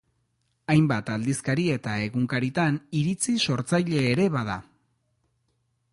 Hainbat aldizkari eta egunkaritan iritzi sortzaile ere bada.